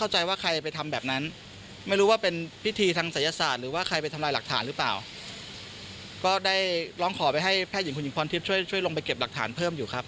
ให้แพทย์หญิงคุณหญิงพรทิพย์ช่วยลงไปเก็บหลักฐานเพิ่มอยู่ครับ